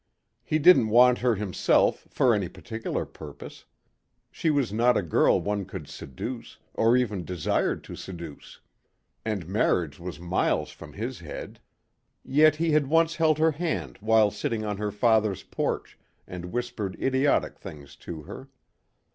He didn't want her himself for any particular purpose. She was not a girl one could seduce, or even desired to seduce. And marriage was miles from his head. Yet he had once held her hand while sitting on her father's porch and whispered idiotic things to her.